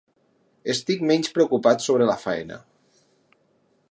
Estic menys preocupat sobre la feina.